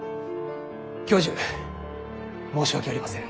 教授申し訳ありません。